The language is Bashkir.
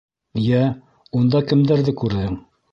— Йә, унда кемдәрҙе күрҙең?